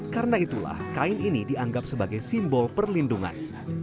karena itulah kain ini dianggap sebagai simbol perlindungan